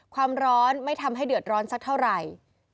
ความร้อนไม่ทำให้เดือดร้อนสักเท่าไหร่